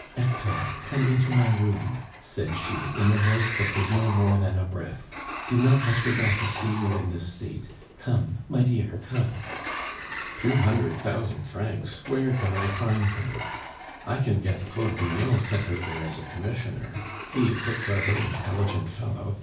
"Hector, come into my room," said she, in a voice that was no more than a breath. "Do not let your daughter see you in this state! Come, my dear, come!" "Two hundred thousand francs? Where can I find them? I can get Claude Vignon sent out there as commissioner. He is a clever, intelligent fellow.